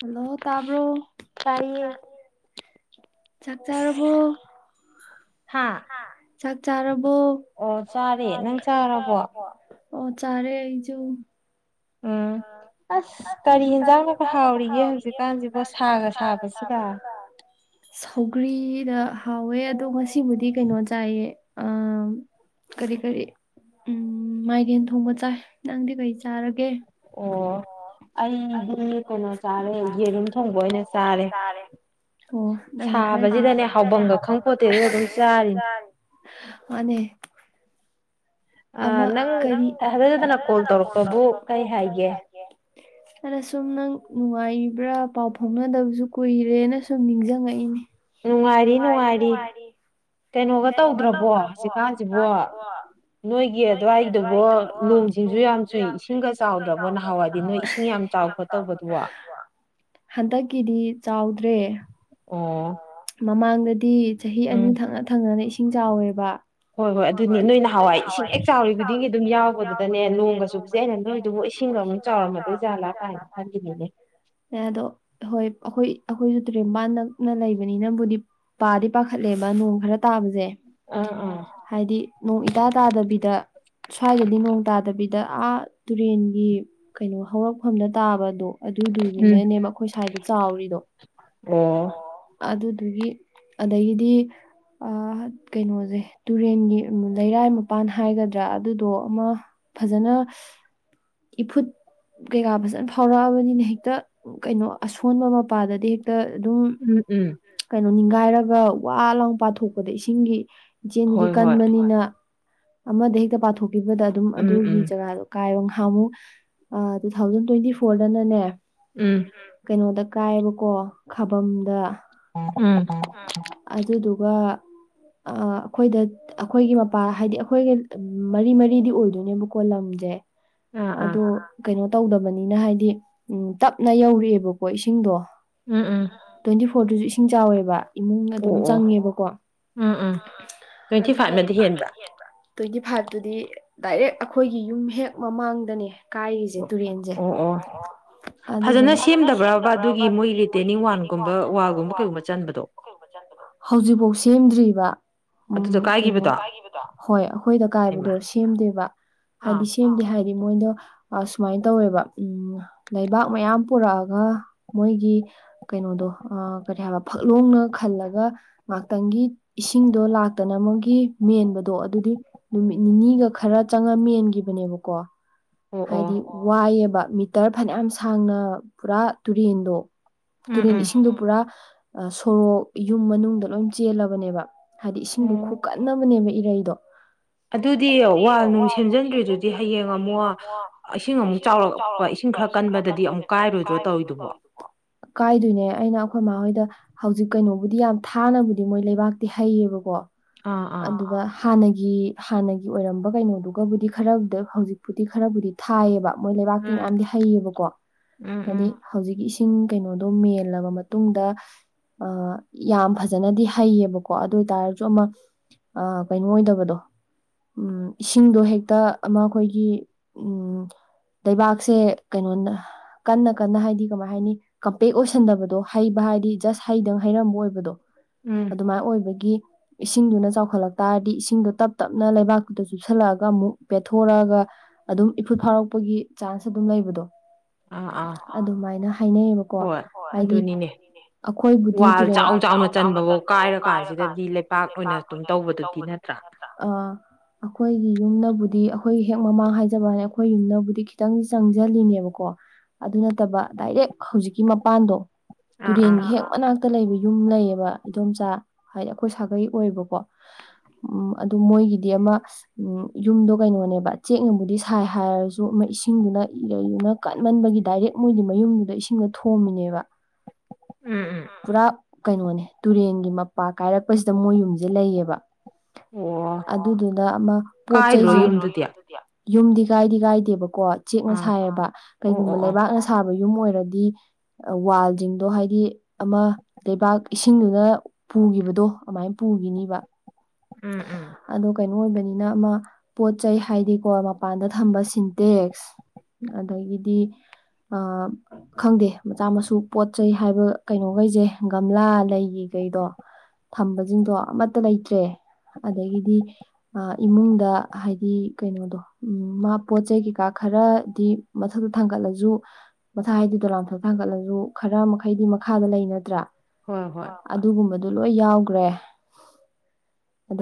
Hello ꯇꯥꯕ꯭ꯔꯣ ꯇꯥꯏꯌꯦ ꯆꯥꯛ ꯆꯥꯔꯕꯣ ꯍꯥ ꯆꯥꯛ ꯆꯥꯔꯕꯣ ꯑꯣ ꯆꯥꯔꯦ ꯅꯪ ꯆꯥꯔꯕꯣ ꯑꯣ ꯆꯥꯔꯦ ꯑꯩꯁꯨ ꯑꯥ ꯑꯁ ꯀꯔꯤ ꯌꯦꯟꯖꯥꯡꯒꯕꯨ ꯍꯥꯎꯔꯤꯒꯦ ꯍꯧꯖꯤꯛꯒꯥꯟꯁꯤꯕꯨ ꯁꯥꯒ ꯁꯥꯕꯁꯤꯗ ꯁꯧꯒ꯭ꯔꯤꯗ ꯍꯥꯎꯋꯦ ꯑꯗꯣ ꯉꯁꯤꯕꯨꯗꯤ ꯀꯩꯅꯣ ꯆꯥꯏꯌꯦ ꯑꯥ ꯀꯔꯤ ꯀꯔꯤ ꯎꯝ ꯃꯥꯏꯔꯦꯟ ꯊꯣꯡꯕ ꯆꯥꯏ ꯅꯪꯗꯤ ꯀꯩ ꯆꯥꯔꯒꯦ ꯑꯣ ꯑꯩꯗꯤ ꯀꯩꯅꯣ ꯆꯥꯔꯦ ꯌꯦꯔꯨꯝ ꯊꯣꯡꯕ ꯑꯣꯏꯅ ꯆꯥꯔꯦ ꯑꯣ ꯅꯪꯅ ꯈꯔ ꯁꯥꯕꯁꯤꯗꯅꯦ ꯍꯥꯎꯐꯝꯒ ꯈꯪꯄꯣꯠ ꯅꯠꯇꯦ ꯑꯗꯨꯝ ꯆꯥꯔꯦ ꯃꯥꯅꯦ ꯑꯃ ꯑꯥ ꯀꯔꯤ ꯅꯪ ꯊꯖꯗꯅ ꯀꯣꯜ ꯇꯧꯔꯛꯄꯕꯨ ꯀꯔꯤ ꯍꯥꯏꯒꯦ ꯑꯩꯅ ꯁꯨꯝ ꯅꯪ ꯅꯨꯡꯉꯥꯏꯕ꯭ꯔꯥ ꯄꯥꯎ ꯐꯥꯎꯅꯗꯕꯁꯨ ꯀꯨꯏꯔꯦꯅ ꯁꯨꯝ ꯅꯤꯡꯁꯤꯡꯉꯛꯏꯅꯦ ꯅꯨꯡꯉꯥꯏꯔꯤ ꯅꯨꯡꯉꯥꯏꯔꯤ ꯀꯩꯅꯣꯒ ꯇꯧꯗ꯭ꯔꯕꯣ ꯍꯧꯖꯤꯛꯒꯥꯟꯁꯤꯕꯣ ꯅꯣꯏꯒꯤ ꯑꯗꯨꯋꯥꯏꯗꯨꯕꯣ ꯅꯣꯡꯁꯤꯡꯁꯨ ꯌꯥꯝ ꯆꯨꯏ ꯏꯁꯤꯡꯒ ꯆꯥꯎꯗ꯭ꯔꯕꯣ ꯅꯍꯥꯟꯋꯥꯏꯗꯤ ꯅꯣꯏ ꯏꯁꯤꯡ ꯌꯥꯝ ꯆꯥꯎ ꯈꯣꯠ ꯍꯟꯗꯛꯒꯤꯗꯤ ꯆꯥꯎꯗ꯭ꯔꯦ ꯑꯣ ꯃꯃꯥꯡꯗꯗꯤ ꯆꯍꯤ ꯑꯅꯤ ꯊꯪꯅ ꯊꯪꯅꯅ ꯏꯁꯤꯡ ꯆꯥꯎꯋꯦꯕ ꯍꯣꯏ ꯍꯣꯏ ꯑꯗꯨꯅꯦ ꯅꯣꯏ ꯅꯍꯥꯟ ꯋꯥꯏ ꯏꯁꯤꯡ ꯍꯦꯛ ꯆꯥꯎꯔꯤ ꯈꯨꯗꯤꯡꯒꯤ ꯑꯗꯨꯝ ꯌꯥꯎꯕꯗꯨꯗꯅꯦ ꯅꯣꯡꯒꯁꯨ ꯁꯤ ꯑꯩꯅ ꯅꯣꯏꯗꯨꯕꯨ ꯏꯁꯤꯡꯒꯨ ꯑꯃꯨꯛ ꯆꯥꯎꯔꯝꯃꯗꯣꯏ ꯖꯠꯂꯥ ꯀꯥꯏꯅ ꯈꯟꯂꯤꯅꯤꯅꯦ ꯑꯦ ꯑꯗꯣ ꯍꯣꯏ ꯑꯩꯈꯣꯏ ꯑꯩꯈꯣꯏꯁꯨ ꯇꯨꯔꯦꯟ ꯃꯄꯥꯟꯗ ꯅꯥꯛꯅ ꯂꯩꯕꯅꯤꯅꯕꯨꯗꯤ ꯄꯥꯗꯤ ꯄꯥꯈꯠꯂꯦꯕ ꯅꯣꯡ ꯈꯔ ꯇꯥꯕꯁꯦ ꯑꯥ ꯑꯥ ꯍꯥꯏꯗꯤ ꯅꯣꯡ ꯏꯗꯥ ꯇꯥꯗꯕꯤꯗ ꯁ꯭ꯋꯥꯏꯗꯗꯤ ꯅꯣꯡ ꯇꯥꯗꯕꯤꯗ ꯑꯥ ꯇꯨꯔꯦꯟꯒꯤ ꯀꯩꯅꯣ ꯍꯧꯔꯛꯐꯝꯗ ꯇꯥꯕꯗꯣ ꯑꯗꯨꯗꯨꯒꯤꯅꯦ ꯑꯩꯈꯣꯏ ꯁ꯭ꯋꯥꯏꯗ ꯆꯥꯎꯔꯤꯗꯣ ꯑꯣ ꯑꯗꯨꯗꯨꯒꯤ ꯑꯗꯒꯤꯗꯤ ꯀꯩꯅꯣꯁꯦ ꯇꯨꯔꯦꯟꯒꯤ ꯂꯩꯔꯥꯏ ꯃꯄꯥꯟ ꯍꯥꯏꯒꯗ꯭ꯔꯥ ꯑꯗꯨꯗꯣ ꯑꯃ ꯐꯖꯅ ꯏꯐꯨꯠ ꯀꯩꯀꯥ ꯐꯖꯅ ꯐꯥꯎꯔꯛꯑꯕꯅꯤꯅ ꯍꯦꯛꯇ ꯀꯩꯅꯣ ꯑꯁꯣꯟꯕ ꯃꯄꯥꯗꯗꯤ ꯍꯦꯛꯇ ꯇ ꯑꯗꯨꯝ ꯀꯩꯅꯣ ꯅꯤꯡꯒꯥꯏꯔꯒ ꯋꯥ ꯂꯥꯡ ꯄꯥꯊꯣꯛꯄꯗ ꯏꯁꯤꯡꯒꯤ ꯏꯆꯦꯟꯗꯨꯗꯤ ꯀꯟꯕꯅꯤꯅ ꯑꯃꯗ ꯍꯦꯛꯇ ꯄꯥꯊꯣꯛꯈꯤꯕꯗ ꯑꯗꯨꯝ ꯑꯗꯨꯒꯤ ꯖꯒꯥꯗꯨ ꯀꯥꯏꯔ ꯅꯍꯥꯟꯃꯨꯛ ꯑꯥ ꯇꯨ ꯊꯥꯎꯖꯟ ꯇ꯭ꯋꯦꯟꯇꯤ ꯐꯣꯔꯗꯅꯅꯦ ꯎꯝ ꯀꯩꯅꯣꯗ ꯀꯥꯏꯕꯀꯣ ꯈꯥꯕꯝꯗ ꯎꯝ ꯑꯗꯨꯗꯨꯒ ꯑꯩꯈꯣꯏꯗ ꯑꯩꯈꯣꯏꯒꯤ ꯃꯄꯥ ꯍꯥꯏꯗꯤ ꯑꯩꯈꯣꯏꯒ ꯃꯔꯤ ꯃꯔꯤꯗꯤ ꯑꯣꯏꯗꯣꯏꯅꯦꯕꯀꯣ ꯂꯝꯁꯦ ꯑꯗꯨ ꯀꯩꯅꯣ ꯇꯧꯗꯕꯅꯤꯅ ꯍꯥꯏꯗꯤ ꯎꯝ ꯇꯞꯅ ꯌꯧꯔꯛꯑꯦꯕꯀꯣ ꯏꯁꯤꯡꯗꯣ ꯎꯝ ꯎꯝ ꯇ꯭ꯋꯦꯟꯇꯤ ꯐꯣꯔꯗꯨꯁꯨ ꯏꯁꯤꯡ ꯆꯥꯎꯋꯦꯕ ꯏꯃꯨꯡ ꯑꯗꯨꯝ ꯆꯪꯉꯦꯕꯀꯣ ꯑꯗꯨꯒ ꯇ꯭ꯋꯦꯟꯇꯤ ꯐꯥꯏꯚꯇꯨꯗꯤ ꯗꯥꯏꯔꯦꯛ ꯑꯩꯈꯣꯏꯒꯤ ꯌꯨꯝ ꯍꯦꯛ ꯃꯃꯥꯡꯗꯅꯦ ꯀꯥꯏꯔꯤꯁꯦ ꯇꯨꯔꯦꯟꯁꯦ ꯐꯖꯅ ꯁꯦꯝꯗꯕ꯭ꯔꯕ ꯑꯗꯨꯒꯤ ꯃꯣꯏ ꯔꯤꯇꯦꯟꯅꯤꯡ ꯋꯥꯜꯒꯨꯝꯕ ꯋꯥꯜꯒꯨꯝꯕ ꯀꯩꯒꯨꯝꯕ ꯆꯟꯕꯗꯣ ꯍꯧꯖꯤꯛꯐꯥꯎ ꯁꯦꯝꯗ꯭ꯔꯤꯕ ꯎꯝ ꯀꯩꯅꯣ ꯍꯣꯏ ꯑꯩꯈꯣꯏꯗ ꯀꯥꯏꯕꯗꯣ ꯁꯦꯝꯗꯦꯕ ꯍꯥꯏꯗꯤ ꯁꯦꯝꯗꯦ ꯍꯥꯏꯗꯤ ꯃꯣꯏꯗꯣ ꯑꯥ ꯁꯨꯃꯥꯏꯅ ꯇꯧꯋꯦꯕ ꯎꯝ ꯂꯩꯕꯥꯛ ꯃꯌꯥꯝ ꯄꯨꯔꯛꯑꯒ ꯃꯣꯏꯒꯤ ꯀꯩꯅꯣꯗꯣ ꯑ ꯀꯔꯤ ꯍꯥꯏꯕ ꯐꯛꯂꯣꯡꯅ ꯈꯜꯂꯒ ꯉꯥꯏꯍꯥꯛꯇꯪꯒꯤ ꯏꯁꯤꯡꯗꯣ ꯂꯥꯛꯇꯅꯕꯒꯤ ꯃꯦꯟꯕꯗꯣ ꯑꯗꯨꯗꯤ ꯅꯨꯃꯤꯠ ꯅꯤꯅꯤꯒ ꯈꯔ ꯆꯪꯉꯒ ꯃꯦꯟꯈꯤꯕꯅꯦꯕꯀꯣ ꯍꯥꯏꯗꯤ ꯋꯥꯏꯌꯦꯕ ꯃꯤꯇꯔ ꯐꯅꯌꯥꯝ ꯁꯥꯡꯅ ꯄꯨꯔꯥ ꯇꯨꯔꯦꯟꯗꯣ ꯇꯨꯔꯦꯟ ꯏꯁꯤꯡꯗꯣ ꯄꯨꯔꯥ ꯁꯣꯔꯣꯛ ꯌꯨꯝ ꯃꯅꯨꯡꯗ ꯂꯣꯏ ꯆꯦꯜꯂꯕꯅꯦꯕ ꯍꯥꯏꯗꯤ ꯏꯁꯤꯡꯗꯣ ꯈꯨꯀꯟ ꯑꯃꯅꯦꯕ ꯏꯔꯩꯗꯣ ꯑꯗꯨꯗꯤ ꯋꯥꯜ ꯅꯨꯡ ꯁꯦꯝꯖꯤꯟꯗ꯭ꯔꯤꯗꯨꯗꯤ ꯍꯌꯦꯡ ꯑꯃꯨꯛ ꯏꯁꯤꯡ ꯑꯃꯨꯛ ꯆꯥꯎꯔꯛꯄ ꯏꯁꯤꯡ ꯈꯔ ꯀꯟꯕꯗꯗꯤ ꯑꯃꯨꯛ ꯀꯥꯏꯔꯣꯏꯗ꯭ꯔꯣ ꯇꯧꯔꯤꯗꯨꯕꯣ ꯀꯥꯏꯗꯣꯏꯅꯦ ꯑꯩꯅ ꯑꯩꯈꯣꯏ ꯃꯥ ꯈꯣꯏꯗ ꯍꯧꯖꯤꯛ ꯀꯩꯅꯣꯕꯨꯗꯤ ꯌꯥꯝ ꯊꯥꯅꯕꯨꯗꯤ ꯃꯣꯏ ꯂꯩꯕꯥꯛꯇꯤ ꯍꯩꯌꯦꯕꯀꯣ ꯑꯗꯨꯒ ꯍꯥꯟꯅꯒꯤ ꯍꯥꯟꯅꯒꯤ ꯑꯣꯏꯔꯝꯕ ꯀꯩꯅꯣꯗꯨꯒꯕꯨꯗꯤ ꯈꯔ ꯍꯧꯖꯤꯛ ꯍꯧꯖꯤꯛꯇꯤ ꯈꯔꯕꯨꯗꯤ ꯊꯥꯏꯌꯦꯕ ꯃꯣꯏ ꯂꯩꯕꯥꯛꯇꯤ ꯃꯌꯥꯝꯗꯤ ꯍꯩꯌꯦꯕꯀꯣ ꯍꯥꯏꯗꯤ ꯍꯧꯖꯤꯛꯀꯤ ꯏꯁꯤꯡ ꯀꯩꯅꯣꯗꯣ ꯃꯦꯜꯂꯕ ꯃꯇꯨꯡꯗ ꯑ ꯌꯥꯝ ꯐꯖꯅꯗꯤ ꯍꯩꯌꯦꯕꯀꯣ ꯑꯗꯨ ꯑꯣꯏ ꯇꯥꯔꯁꯨ ꯑꯃ ꯑꯥ ꯀꯩꯅꯣ ꯑꯣꯏꯗꯕꯗꯣ ꯏꯁꯤꯡꯗꯣ ꯍꯦꯛꯇ ꯑꯃ ꯑꯩꯈꯣꯏꯒꯤ ꯎꯝ ꯂꯩꯕꯥꯛꯁꯦ ꯀꯩꯅꯣꯅ ꯀꯟꯅ ꯀꯟꯅ ꯍꯥꯏꯗꯤ ꯀꯃꯥꯏ ꯍꯥꯏꯅꯤ ꯀꯝꯄꯦꯛ ꯑꯣꯏꯁꯟꯗꯕꯗꯣ ꯍꯩꯕ ꯍꯥꯏꯗꯤ ꯖꯁ ꯍꯩꯗꯪ ꯍꯩꯔꯝꯕ ꯑꯣꯏꯕꯗꯣ ꯎꯝ ꯑꯗꯨꯃꯥꯏꯅ ꯑꯣꯏꯕꯒꯤ ꯏꯁꯤꯡꯗꯨꯅ ꯆꯥꯎꯈꯠꯂꯛ ꯇꯥꯔꯗꯤ ꯏꯁꯤꯡꯗꯣ ꯇꯞ ꯇꯞꯅ ꯂꯩꯕꯥꯛꯇꯨꯗ ꯆꯨꯞꯁꯤꯜꯂꯛꯑꯒ ꯑꯃꯨꯛ ꯄꯦꯠꯊꯣꯔꯛꯑꯒ ꯑꯗꯨꯝ ꯏꯐꯨꯠ ꯐꯥꯎꯔꯛꯄꯒꯤ ꯆꯥꯟꯁ ꯑꯗꯨꯝ ꯂꯩꯕꯗꯣ ꯑꯗꯨꯃꯥꯏꯅ ꯍꯥꯏꯅꯩꯌꯦꯕꯀꯣ ꯍꯥꯏꯗꯤ ꯑꯩꯈꯣꯏꯕꯨꯗꯤ ꯇꯨꯔꯦꯟ ꯋꯥꯜ ꯆꯥꯎ ꯆꯥꯎꯅ ꯆꯟꯕꯐꯥꯎ ꯀꯥꯏꯔ ꯀꯥꯟꯁꯤꯗꯗꯤ ꯂꯩꯄꯥꯛ ꯑꯣꯏꯅ ꯑꯗꯨꯝ ꯇꯧꯕꯗꯨꯗꯤ ꯑ ꯑꯩꯈꯣꯏꯒꯤ ꯌꯨꯝꯅꯕꯨꯗꯤ ꯑꯩꯈꯣꯏ ꯍꯦꯛ ꯃꯃꯥꯡ ꯍꯥꯏꯖ ꯖꯕꯅꯦ ꯑꯩꯈꯣꯏ ꯌꯨꯝꯅꯕꯨꯗꯤ ꯈꯤꯇꯪꯗꯤ ꯆꯪꯁꯤꯜꯂꯤꯅꯦꯕꯀꯣ ꯑꯗꯨ ꯅꯠꯇꯕ ꯗꯥꯏꯔꯦꯛ ꯍꯧꯖꯤꯛꯀꯤ ꯃꯄꯥꯟꯗꯣ ꯇꯨꯔꯦꯟꯒꯤ ꯍꯦꯛ ꯃꯅꯥꯛꯇ ꯂꯩꯕ ꯌꯨꯝ ꯂꯩꯌꯦꯕ ꯏꯗꯣꯝꯆꯥ ꯍꯥꯏꯗꯤ ꯑꯩꯈꯣꯏ ꯁꯥꯒꯩ ꯑꯣꯏꯌꯦꯕꯀꯣ ꯎꯝ ꯑꯗꯨ ꯃꯣꯏꯒꯤꯗꯤ ꯑꯃ ꯎꯝ ꯌꯨꯝꯗꯣ ꯀꯩꯅꯣꯅꯦꯕ ꯆꯦꯛꯅꯕꯨꯗꯤ ꯁꯥꯏ ꯍꯥꯏꯔꯁꯨ ꯑꯃ ꯏꯁꯤꯡꯗꯨꯅ ꯏꯔꯩꯗꯨꯅ ꯀꯟꯃꯟꯕꯒꯤ ꯗꯥꯏꯔꯦꯛ ꯃꯣꯏꯗꯤ ꯃꯌꯨꯝꯗꯨꯗ ꯏꯁꯤꯡꯗꯣ ꯊꯣꯝꯃꯤꯅꯦꯕ [inaudible] ꯄꯨꯔꯥ ꯀꯩꯅꯣꯅꯦ ꯇꯨꯔꯦꯟꯒꯤ ꯃꯄꯥ ꯀꯥꯏꯔꯛꯄꯁꯤꯗ ꯃꯣꯏ ꯌꯨꯝꯁꯦ ꯂꯩꯌꯦꯕ꯫ ꯑꯗꯨꯗꯨꯅ ꯑꯃ ꯄꯣꯠ ꯆꯩꯁꯦ ꯀꯥꯏꯗꯔꯣ ꯌꯨꯝꯗꯤ ꯀꯥꯏꯗꯤ ꯀꯥꯏꯗꯦꯕꯀꯣ ꯆꯦꯛꯅ ꯁꯥꯏꯑꯕ ꯀꯩꯒꯨꯝꯕ ꯂꯩꯕꯥꯛꯅ ꯁꯥꯕ ꯌꯨꯝ ꯑꯣꯏꯔꯗꯤ ꯋꯥꯜꯁꯤꯡꯗꯣ ꯍꯥꯏꯗꯤ ꯑꯃ ꯂꯩꯕꯥꯛ ꯏꯁꯤꯡꯗꯨꯅ ꯄꯨꯈꯤꯕꯗꯣ ꯑꯗꯨꯃꯥꯏꯅ ꯄꯨꯈꯤꯅꯤꯕ꯫ ꯎꯝ ꯎꯝ꯫ ꯑꯗꯣ ꯀꯩꯅꯣ ꯑꯣꯏꯕꯅꯤꯅ ꯑꯃ ꯄꯣꯠ ꯆꯩ ꯍꯥꯏꯗꯤꯀꯣ ꯃꯄꯥꯟꯗ ꯊꯝꯕ ꯁꯤꯟꯇꯦꯛꯁ ꯑꯗꯒꯤꯗꯤ ꯑ ꯈꯪꯗꯦ ꯃꯆꯥ ꯃꯁꯨ ꯄꯣꯠ ꯆꯩ ꯍꯥꯏꯕ ꯀꯩꯅꯣꯈꯩꯁꯦ ꯒꯝꯂꯥ ꯂꯩꯒꯤꯈꯩꯗꯣ꯫ ꯊꯝꯕꯁꯤꯡꯗꯣ ꯑꯃꯠꯇ ꯂꯩꯇ꯭ꯔꯦ ꯑꯗꯒꯤꯗꯤ ꯑ ꯏꯃꯨꯡꯗ ꯍꯥꯏꯗꯤ ꯀꯩꯅꯣꯗꯣ ꯎ ꯃꯥ ꯄꯣꯠ ꯆꯩꯩ ꯀꯩꯀꯥ ꯈꯔꯗꯤ ꯃꯊꯛꯇ ꯊꯥꯡꯒꯠꯂꯁꯨ꯫ ꯃꯊꯥ ꯍꯥꯏꯗꯤ ꯗꯣꯂꯟ ꯃꯊꯛ ꯊꯥꯡꯒꯠꯂꯁꯨ ꯈꯔ ꯃꯈꯩꯗꯤ ꯃꯈꯥꯗ ꯂꯩ ꯅꯠꯇ꯭ꯔꯥ ꯍꯣꯏ ꯍꯣꯏ꯫ ꯑꯗꯨꯒꯨꯝꯕꯗꯣ ꯂꯣꯏ ꯌꯥꯎꯒꯔꯦ꯫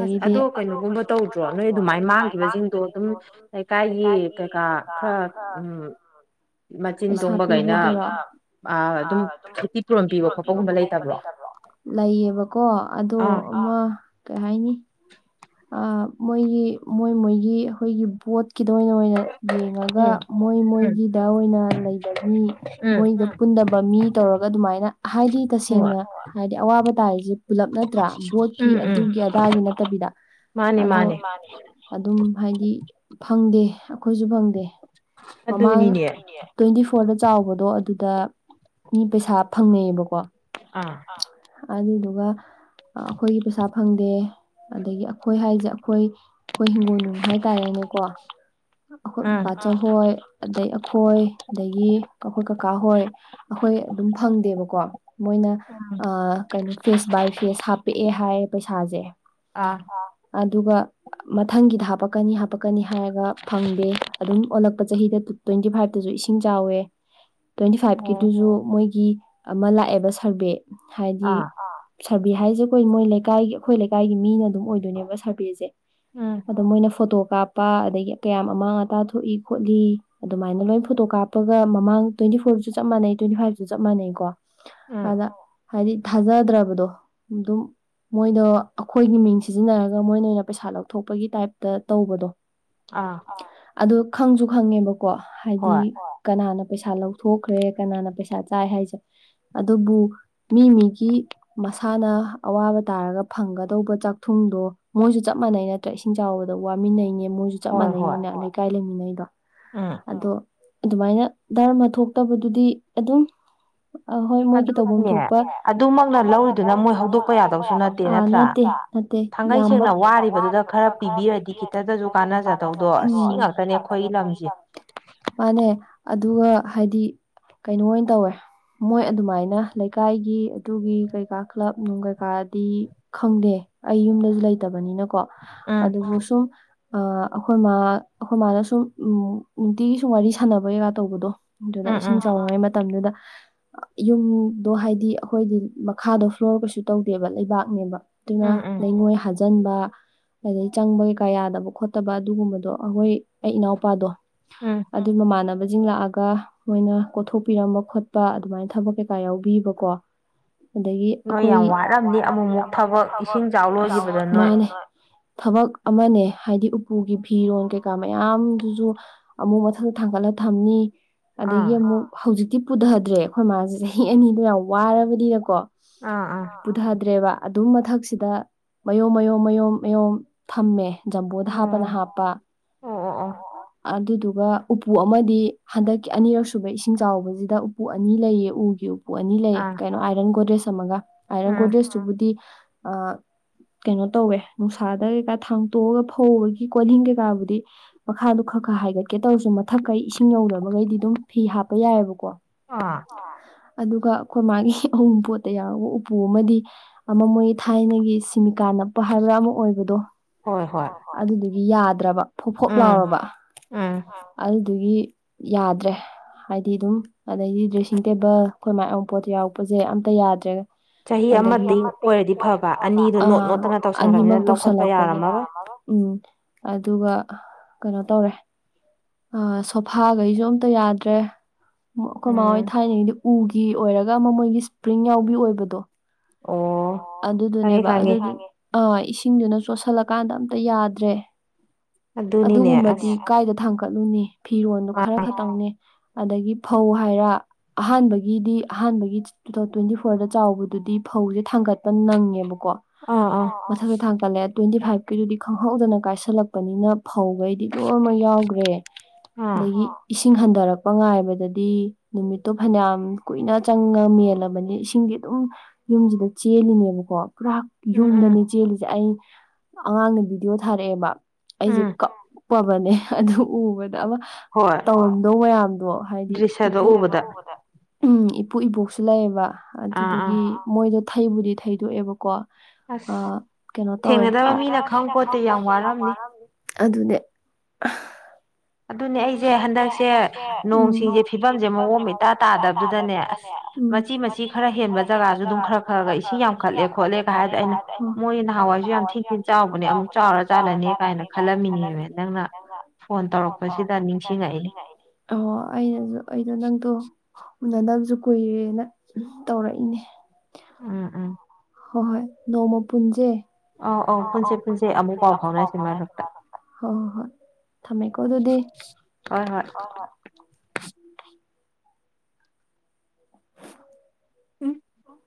ꯑꯁ ꯑꯗꯣ ꯀꯩꯅꯣꯒꯨꯝꯕ ꯇꯧꯗ꯭ꯔꯣ ꯅꯣꯏ ꯑꯗꯨꯃꯥꯏꯅ ꯃꯥꯡꯈꯤꯕꯁꯤꯡꯗꯣ ꯑꯗꯨꯝ ꯂꯩꯀꯥꯏꯒꯤ ꯀꯩꯀꯥ ꯈꯔ ꯎꯝ ꯃꯆꯤꯟ ꯇꯣꯡꯕꯈꯩꯅ꯫ ꯑ ꯑꯗꯨꯝ ꯈꯦꯠꯇꯤ ꯀꯣꯔ ꯄꯤꯕ ꯈꯣꯠꯄꯀꯨꯝꯕ ꯂꯩꯇꯕꯔꯣ ꯂꯩꯌꯦꯕꯀꯣ ꯑꯗꯣ ꯑꯃꯥ ꯀꯩ ꯍꯥꯏꯅꯤ ꯑ ꯃꯣꯏꯒꯤ ꯃꯣꯏ ꯃꯣꯏꯒꯤ ꯑꯩꯈꯣꯏꯒꯤ ꯕꯣꯠꯀꯤꯗ ꯑꯣꯏꯅ ꯌꯦꯡꯉꯒ ꯃꯣꯏ ꯃꯣꯏꯒꯤꯗ ꯑꯣꯏꯅ ꯂꯩꯕ ꯃꯤ ꯃꯣꯏꯒ ꯄꯨꯟꯗꯕ ꯃꯤ ꯇꯧꯔꯒ ꯑꯗꯨꯃꯥꯏꯅ ꯍꯥꯏꯗꯤ ꯇꯁꯦꯡꯅ꯫ ꯍꯥꯏꯗꯤ ꯑꯋꯥꯕ ꯇꯥꯔꯤꯁꯦ ꯄꯨꯂꯞ ꯅꯠꯇ꯭ꯔꯥ ꯕꯣꯠꯀꯤ ꯑꯗꯨꯒꯤ ꯑꯗꯥꯒꯤ ꯅꯠꯇꯕꯤꯗ꯫ ꯃꯥꯅꯤ ꯃꯥꯅꯤ ꯑꯗꯣ ꯑꯗꯨꯝ ꯍꯥꯏꯗꯤ ꯐꯪꯗꯦ ꯑꯩꯈꯣꯏꯁꯨ ꯐꯪꯗꯦ꯫ ꯃꯃꯥꯡ ꯑꯗꯨꯅꯤꯅꯦ꯫ ꯇ꯭ꯋꯦꯟꯇꯤ ꯐꯣꯔꯗ ꯆꯥꯎꯕꯗꯣ ꯑꯗꯨꯗ ꯃꯤ ꯄꯩꯁꯥ ꯐꯪꯅꯩꯌꯦꯕꯀꯣ꯫ ꯑꯥ꯫ ꯑꯗꯨꯗꯨꯒ ꯑꯩꯈꯣꯏꯒꯤ ꯄꯩꯁꯥ ꯐꯪꯗꯦ꯫ ꯑꯗꯒꯤ ꯑꯩꯈꯣꯏ ꯍꯥꯏꯁꯦ ꯑꯩꯈꯣꯏ ꯑꯩꯈꯣꯏ ꯍꯤꯡꯒꯣ ꯅꯨꯡ ꯍꯥꯏꯇꯥꯔꯦꯅꯦꯀꯣ ꯑꯩꯈꯣꯏ ꯕ ꯆꯍꯣꯏ ꯑꯗꯩ ꯑꯩꯈꯣꯏ ꯑꯗꯒꯤ ꯑꯩꯈꯣꯏ ꯀꯀꯥ ꯍꯣꯏ ꯑꯩꯈꯣꯏ ꯑꯗꯨꯝ ꯐꯪꯗꯦꯕꯀꯣ꯫ ꯃꯣꯏꯅ ꯑ ꯀꯩꯅꯣ ꯐꯦꯁ ꯕꯥꯏ ꯐꯦꯁ ꯍꯥꯞꯄꯛꯑꯦ ꯍꯥꯏꯌꯦ ꯄꯩꯁꯥꯁꯦ꯫ ꯑꯥ꯫ ꯑꯗꯨꯒꯥ꯫ ꯃꯊꯪꯒꯤꯗ ꯍꯥꯄꯛꯀꯅꯤ ꯍꯥꯄꯛꯀꯅꯤ ꯍꯥꯏꯔꯒ ꯐꯪꯗꯦ ꯑꯗꯨꯝ ꯑꯣꯜꯂꯛꯄ ꯆꯍꯤꯗ ꯇ꯭ꯋꯦꯟꯇꯤ ꯐꯥꯏꯚꯇꯁꯨ ꯏꯁꯤꯡ ꯆꯥꯎꯋꯦ꯫ ꯇ꯭ꯋꯦꯟꯇꯤ ꯐꯥꯏꯚꯀꯤꯗꯨꯁꯨ ꯃꯣꯏꯒꯤ ꯑꯃ ꯂꯥꯛꯑꯦꯕ ꯁꯔꯚꯦ ꯍꯥꯏꯗꯤ ꯁꯔꯚꯦ ꯍꯥꯏꯁꯦ ꯑꯩꯈꯣꯏ ꯃꯣꯏ ꯂꯩꯀꯥꯏꯒꯤ ꯑꯩꯈꯣꯏ ꯂꯩꯀꯥꯏꯒꯤ ꯃꯤꯅ ꯑꯗꯨꯝ ꯑꯣꯏꯗꯣꯏꯅꯦꯕ ꯁꯔꯚꯁꯦ꯫ ꯑꯗꯣ ꯃꯣꯏꯅ ꯐꯣꯇꯣ ꯀꯥꯞꯄ ꯑꯗꯒꯤ ꯀꯌꯥꯝ ꯑꯃꯥꯡ ꯑꯇꯥ ꯊꯣꯛꯏ ꯈꯣꯠꯂꯤ ꯑꯗꯨꯃꯥꯏꯅ ꯂꯣꯏ ꯐꯣꯇꯣ ꯀꯥꯞꯄꯒ ꯃꯥꯃꯡ ꯇ꯭ꯋꯦꯟꯇꯤ ꯐꯣꯔꯁꯨ ꯆꯞ ꯃꯥꯟꯅꯩ ꯇ꯭ꯋꯦꯟꯇꯤ ꯐꯥꯏꯚꯁꯨ ꯆꯞ ꯃꯥꯟꯅꯩꯀꯣ꯫ ꯑꯗ ꯍꯥꯏꯗꯤ ꯊꯥꯖꯗ꯭ꯔꯕꯗꯣ ꯑꯗꯨꯝ ꯃꯣꯏꯗꯣ꯫ ꯑꯩꯈꯣꯏꯒꯤ ꯃꯤꯡ ꯁꯤꯖꯤꯟꯅꯔꯒ ꯃꯣꯏꯅ ꯑꯣꯏꯅ ꯄꯩꯁꯥ ꯂꯧꯊꯣꯛꯄꯒꯤ ꯇꯥꯏꯞꯇ ꯇꯧꯕꯗꯣ꯫ ꯑꯥ꯫ ꯑꯗꯣ ꯈꯪꯁꯨ ꯈꯪꯉꯦꯕꯀꯣ ꯍꯥꯏꯗꯤ ꯀꯅꯥꯅ ꯄꯩꯁꯥ ꯂꯧꯊꯣꯛꯈ꯭ꯔꯦ ꯀꯅꯥꯅ ꯄꯩꯁꯥ ꯆꯥꯏ ꯍꯥꯏꯁꯦ꯫ ꯑꯗꯨꯕꯨ ꯃꯤ ꯃꯤꯒꯤ ꯃꯁꯥꯅ ꯑꯋꯥꯕ ꯇꯥꯔꯒ ꯐꯪꯒ ꯇꯧꯕ ꯆꯥꯛꯊꯨꯡꯗꯣ ꯃꯣꯏꯁꯨ ꯆꯞ ꯃꯥꯟꯅꯩ ꯅꯠꯇ꯭ꯔ ꯏꯁꯤꯡ ꯆꯥꯎꯕꯗ ꯋꯥꯃꯤꯟꯅꯩꯅꯦ ꯃꯣꯏꯁꯨ ꯆꯞ ꯃꯥꯟꯅꯩꯅꯤꯅ ꯀꯥꯏ ꯂꯩꯃꯤꯟꯅꯩꯗꯣ ꯎꯝ ꯑꯗꯣ ꯑꯗꯨꯃꯥꯏꯅ ꯗꯥꯔꯃ ꯊꯣꯛꯇꯕꯗꯨꯗꯤ ꯑꯗꯨꯝ ꯑꯍꯣꯏ ꯃꯣꯏꯒꯤ ꯇꯧꯐꯝ ꯊꯣꯛꯄ ꯑꯗꯨꯃꯛꯅ ꯂꯧꯔꯨꯗꯨꯅ ꯃꯣꯏ ꯍꯧꯗꯣꯛꯄ ꯌꯥꯗꯧꯁꯨ ꯅꯠꯇꯦ ꯑ ꯅꯪ ꯇꯦ ꯅꯠꯇꯦ ꯌꯥꯝꯕꯩ ꯊꯥꯡꯒꯩ ꯁꯦꯡꯅ ꯋꯥꯔꯤꯕꯗꯨꯗ ꯈꯔ ꯄꯤꯕꯤꯔꯗꯤ ꯈꯤꯇꯒꯁꯨ ꯀꯥꯟꯅꯖꯗꯧ ꯁꯤ ꯉꯥꯛꯇꯅꯦ ꯌꯩꯈꯣꯏ ꯂꯝꯗꯤ ꯃꯥꯅꯦ ꯑꯗꯨꯒ ꯍꯥꯏꯗꯤ ꯀꯩꯅꯣ ꯑꯣꯏꯅ ꯇꯧꯋꯦ ꯃꯣꯏ ꯑꯗꯨꯃꯥꯏꯅ ꯂꯩꯀꯥꯏꯒꯤ ꯑꯗꯨꯒꯤ ꯀꯩꯀꯥ ꯀ꯭ꯂꯕ ꯅꯨꯡ ꯀꯩꯀꯥꯗꯤ ꯈꯪꯗꯦ ꯑꯩ ꯌꯨꯝꯗꯁꯨ ꯂꯩꯇꯕꯅꯤꯅꯀꯣ ꯑꯗꯨ ꯃ ꯁꯨꯝ ꯑ ꯑꯩꯈꯣꯏ ꯃꯥ ꯑꯩꯈꯣꯏ ꯃꯥꯅ ꯁꯨꯝ ꯅꯨꯡꯇꯤꯒꯤ ꯁꯨꯝ ꯋꯥꯔꯤ ꯁꯥꯟꯅꯕ ꯀꯩꯀ ꯇꯧꯕꯗꯣ ꯑꯗꯨꯗ ꯏꯁꯤꯡ ꯆꯥꯎꯉꯉꯩ ꯃꯇꯝꯗꯨꯗ ꯌꯨꯝꯗꯣ ꯍꯥꯏꯗꯤ ꯑꯩꯈꯣꯏꯗꯤ ꯃꯈꯥꯗꯣ ꯐ꯭ꯂꯣꯔ ꯀꯩꯁꯨ ꯇꯧꯗꯦꯕ ꯂꯩꯕꯥꯛꯅꯦꯕ ꯑꯗꯨꯅ ꯂꯩꯉꯣꯏ ꯍꯥꯖꯟꯕ ꯑꯗꯩ ꯆꯪꯕ ꯀꯩꯀꯥ ꯌꯥꯗꯕ ꯈꯣꯠꯇꯕ ꯑꯗꯨꯒꯨꯝꯕꯗꯣ ꯑꯩꯈꯣꯏ ꯑꯩ ꯏꯅꯥꯎꯄꯥꯗꯣ ꯑꯗꯨ ꯃꯃꯥꯟꯅꯕꯁꯤꯡ ꯂꯥꯛꯑꯒ ꯃꯣꯏꯅ ꯀꯣꯊꯣꯛꯄꯤꯔꯝꯕ ꯈꯣꯠꯄ ꯑꯗꯨꯃꯥꯏꯅ ꯊꯕꯛ ꯀꯩꯀꯥ ꯌꯥꯎꯕꯤꯕꯀꯣ ꯑꯗꯒꯤ ꯑꯩꯈꯣꯏ ꯅꯣꯏ ꯌꯥꯝ ꯋꯥꯔꯝꯅꯤ ꯑꯃꯨꯃꯨꯛ ꯊꯕꯛ ꯏꯁꯤꯡ ꯆꯥꯎꯕ ꯃꯥꯅꯦ ꯊꯕꯛ ꯑꯃꯅꯦ ꯍꯥꯏꯗꯤ ꯎꯄꯨꯒꯤ ꯐꯤꯔꯣꯟ ꯀꯩꯀꯥ ꯃꯌꯥꯝꯗꯨꯁꯨ ꯑꯃꯨꯛ ꯃꯊꯛꯇ ꯊꯥꯡꯒꯠꯂ ꯊꯝꯅꯤ ꯑꯗꯒꯤ ꯑꯃꯨꯛ ꯍꯧꯖꯤꯛꯇꯤ ꯄꯨꯊꯗ꯭ꯔꯦ ꯑꯩꯈꯣꯏ ꯃꯥꯁꯦ ꯆꯍꯤ ꯑꯅꯤꯗꯣ ꯌꯥꯝ ꯋꯥꯔꯕꯅꯤꯅꯀꯣ ꯄꯨꯙꯥꯗ꯭ꯔꯦꯕ ꯑꯗꯨꯝ ꯃꯊꯛ ꯁꯤꯗ ꯃꯌꯣꯝ ꯃꯌꯣꯝ ꯃꯌꯣꯝ ꯃꯌꯣꯝ ꯊꯝꯃꯦ ꯖꯝꯕꯣꯗ ꯍꯥꯞꯄꯅ ꯍꯥꯞꯄ ꯑꯗꯨꯗꯨꯒ ꯎꯄꯨ ꯑꯃꯗꯤ ꯍꯟꯗꯛꯀꯤ ꯑꯅꯤꯔꯛꯁꯨꯕ ꯏꯁꯤꯡ ꯆꯥꯎꯕꯁꯤꯗ ꯎꯄꯨ ꯑꯅꯤ ꯂꯩꯌꯦ ꯎꯒꯤ ꯎꯄꯨ ꯑꯅꯤ ꯂꯩꯌꯦ ꯀꯩꯅꯣ ꯑꯥꯏꯔꯟ ꯒꯣꯗ꯭ꯔꯦꯖ ꯑꯃꯒ ꯑꯥꯏꯔꯟ ꯒꯣꯗ꯭ꯔꯦꯖꯇꯨꯕꯨꯗꯤ ꯑ ꯀꯩꯅꯣ ꯇꯧꯋꯦ ꯅꯨꯡꯁꯥꯗ ꯀꯩꯀꯥ ꯊꯥꯡꯇꯣꯛꯑꯒ ꯐꯧꯕꯒꯤ ꯀꯣꯂꯤꯟ ꯀꯩꯀꯥꯕꯨꯗꯤ ꯃꯈꯥꯗꯣ ꯈꯔ ꯈꯔ ꯍꯥꯏꯒꯠꯀꯦ ꯇꯧꯔꯁꯨ ꯃꯊꯛꯀꯩ ꯏꯁꯤꯡ ꯌꯧꯗꯅꯕꯈꯩꯗꯤ ꯑꯗꯨꯝ ꯐꯤ ꯍꯥꯞꯄ ꯌꯥꯏꯑꯕꯀꯣ ꯑ ꯑꯗꯨꯒ ꯑꯩꯈꯣꯏ ꯃꯥꯒꯤ ꯑꯋꯨꯟꯄꯣꯠꯇ ꯌꯥꯎꯔꯒ ꯎꯄꯨ ꯑꯃꯗꯤ ꯑꯃ ꯃꯣꯏ ꯊꯥꯏꯅꯒꯤ ꯁꯤꯃꯤꯀꯥ ꯅꯞꯄ ꯍꯥꯏꯕ꯭ꯔꯥ ꯑꯃ ꯑꯣꯏꯕꯗꯣ ꯑꯗꯨꯗꯨꯒꯤ ꯌꯥꯗ꯭ꯔꯕ ꯐꯣꯛ ꯐꯣꯛ ꯂꯥꯎꯔꯕ ꯑꯗꯨꯗꯨꯒꯤ ꯌꯥꯗ꯭ꯔꯦ ꯍꯥꯏꯗꯤ ꯑꯗꯨꯝ ꯑꯗꯩꯗꯤ ꯗ꯭ꯔꯦꯁꯤꯡ ꯇꯦꯕꯜ ꯑꯩꯈꯣꯏ ꯃꯥꯏ ꯑꯔꯨꯟꯄꯣꯠꯇ ꯌꯥꯎꯔꯛꯄꯁꯦ ꯑꯝꯇ ꯌꯥꯗ꯭ꯔꯦꯒ ꯆꯍꯤ ꯑꯃꯗꯒꯤ ꯑꯣꯏꯔꯗꯤ ꯐꯕ ꯑꯅꯤꯗꯨꯣ ꯅꯣꯠ ꯅꯣꯠꯇꯅ ꯇꯧꯁꯟꯈꯕꯅꯤꯅ ꯂꯧꯈꯠꯄ ꯌꯥꯔꯝꯃꯔꯣꯏ ꯎꯝ ꯑꯗꯨꯒ ꯀꯩꯅꯣ ꯇꯧꯔꯦ ꯑ ꯁꯣꯐꯥꯈꯩꯁꯨ ꯑꯝꯇ ꯌꯥꯗ꯭ꯔꯦ ꯑꯩꯈꯣꯏ ꯃꯥ ꯍꯣꯏ ꯊꯥꯏꯅꯉꯩꯗꯤ ꯎꯒꯤ ꯑꯣꯏꯔꯒ ꯑꯃ ꯃꯣꯏꯒꯤ ꯁꯄ꯭ꯔꯤꯡ ꯌꯥꯎꯕꯤ ꯑꯣꯏꯕꯗꯣ ꯑꯣ ꯑꯗꯨꯗꯨꯅꯦꯕ ꯑꯗꯨ ꯑꯥ ꯏꯁꯤꯡꯗꯨꯅ ꯆꯣꯠꯁꯜꯂꯀꯥꯟꯗ ꯑꯝꯇ ꯌꯥꯗ꯭ꯔꯦ ꯑꯗꯨꯒꯨꯝꯕꯗꯤ ꯀꯥꯏꯗ ꯊꯥꯡꯀꯠꯂꯨꯅꯤ ꯐꯤꯔꯣꯜꯗꯨ ꯈꯔ ꯈꯛꯇꯪꯅꯦ ꯑꯗꯒꯤ ꯐꯧ ꯍꯥꯏꯔ ꯑꯍꯥꯟꯕꯒꯤꯗꯤ ꯑꯍꯥꯟꯕꯒꯤ ꯇꯨ ꯊꯥꯎꯟ ꯇ꯭ꯋꯦꯟꯇꯤ ꯐꯣꯔꯗ ꯆꯥꯎꯕꯗꯨꯗꯤ ꯐꯧꯁꯦ ꯊꯥꯡꯒꯠ ꯅꯪꯉꯦꯕꯀꯣ ꯊꯗ ꯊꯥꯡꯀꯠꯂꯦ ꯇ꯭ꯋꯦꯟꯇꯤ ꯐꯥꯏꯚꯀꯤꯗꯨꯗꯤ ꯈꯪꯍꯧꯗꯅ ꯀꯥꯏꯁꯜꯂꯛꯄꯅꯤꯅ ꯐꯧꯒꯩꯗꯤ ꯂꯣꯏꯅꯃꯛ ꯌꯥꯎꯈ꯭ꯔꯦ ꯗꯒꯤ ꯏꯁꯤꯡ ꯍꯟꯊꯔꯛꯄ ꯉꯥꯏꯕꯗꯗꯤ ꯅꯨꯃꯤꯠꯇꯨ ꯐꯅꯌꯥꯝ ꯀꯨꯏꯅ ꯆꯪꯉ ꯃꯦꯜꯂꯕꯅꯤ ꯏꯁ [unintelligible] ꯌꯨꯝꯁꯤꯗ ꯆꯦꯜꯂꯤꯅꯦꯕꯀꯣ ꯄꯨꯔ ꯌꯨꯝꯗꯅꯦ ꯆꯦꯜꯂꯤꯁꯦ ꯑꯩ ꯑꯉꯥꯡꯗ ꯕꯤꯗꯤꯑꯣ ꯊꯥꯔꯛꯑꯦꯕ ꯑꯩꯁꯦ ꯀꯞꯄꯕꯅꯦ ꯑꯗꯨ ꯎꯕꯗ ꯑꯃ ꯇꯧꯔꯝꯗꯧ ꯃꯌꯥꯝꯗꯣ ꯍꯥꯏꯗꯤ ꯏꯄꯨ ꯎꯝ ꯏꯄꯨ ꯏꯕꯣꯛꯁꯨ ꯂꯩꯑꯦꯕ ꯑꯗꯨꯗꯨꯒꯤ ꯃꯣꯏꯗꯣ ꯊꯩꯕꯨꯗꯤ ꯊꯩꯗꯣꯛꯑꯦꯕꯀꯣ ꯑ ꯀꯩꯅꯣ ꯇꯧꯋꯦ ꯊꯦꯡꯅꯗꯕ ꯃꯤꯅ ꯈꯪꯄꯣꯠꯇꯦ ꯌꯥꯝ ꯋꯥꯔꯝꯃꯤ ꯑꯗꯨꯅꯦ ꯑꯗꯨꯅꯦ ꯑꯩꯁꯦ ꯍꯟꯗꯛꯁꯦ ꯅꯣꯡ ꯁꯤꯡꯁꯦ ꯐꯤꯚꯝꯁꯦ ꯃꯑꯣꯡ ꯑꯃ ꯏꯇꯥ ꯇꯥꯗꯕꯗꯨꯗꯅꯦ ꯑꯁ ꯃꯆꯤ ꯃꯆꯤ ꯈꯔ ꯍꯦꯟꯕ ꯖꯒꯥꯁꯨ ꯑꯗꯨꯝ ꯈꯔ ꯈꯔꯒ ꯏꯁꯤꯡ ꯌꯥꯝꯈꯠꯂꯦ ꯈꯣꯠꯂꯦꯒ ꯍꯥꯏꯕꯗ ꯑꯩꯅ ꯃꯣꯏ ꯅꯍꯥꯟꯋꯥꯏꯁꯨ ꯌꯥꯝ ꯊꯤꯟ ꯊꯤꯟ ꯆꯥꯎꯕꯅꯦ ꯑꯃꯨꯛ ꯆꯥꯎꯔ ꯖꯥꯠꯂꯅꯦ ꯀꯥꯏꯅ ꯈꯜꯂꯝꯃꯤꯅꯦꯕ ꯅꯪꯅ ꯐꯣꯟ ꯇꯧꯔꯛ ꯇꯧꯔꯛꯄꯁꯤꯗ ꯅꯤꯡꯁꯤꯡꯉꯛꯏꯅꯦ ꯑꯣ ꯑꯩꯅꯁꯨ ꯑꯩꯗꯣ ꯅꯪꯗꯣ ꯎꯅꯗꯕꯁꯨ ꯀꯨꯏꯔꯦꯅ ꯇꯧꯔꯛꯏꯅꯦ ꯎꯝ ꯎꯝ ꯍꯣꯏ ꯍꯣꯏ ꯅꯣꯡꯃ ꯄꯨꯟꯖꯦ ꯑꯣ ꯑꯣ ꯄꯨꯟꯖꯦ ꯄꯨꯟꯖꯦ ꯑꯃꯨꯛ ꯄꯥꯎ ꯐꯥꯎꯅꯁꯦ ꯃꯔꯛꯇ ꯊꯝꯃꯦꯀꯣ ꯑꯗꯨꯗꯤ ꯍꯣꯏ ꯍꯣꯏ [unintelligible]